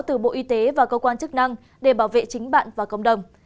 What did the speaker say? từ bộ y tế và cơ quan chức năng để bảo vệ chính bạn và cộng đồng